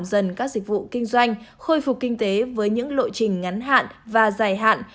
dần các dịch vụ kinh doanh khôi phục kinh tế với những lộ trình ngắn hạn và dài hạn